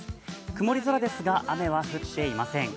曇り空ですが、雨は降っていません。